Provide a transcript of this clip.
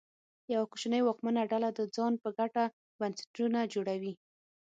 یوه کوچنۍ واکمنه ډله د ځان په ګټه بنسټونه جوړوي.